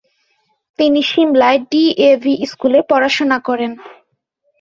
তিনি শিমলায় D A V স্কুলে পড়াশোনা করেন।